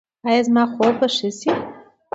ایا زما خوب به ښه شي؟